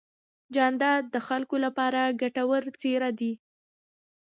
جانداد د خلکو لپاره ګټور څېرہ دی.